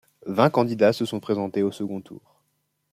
Vingt candidats se sont présentés au second tour.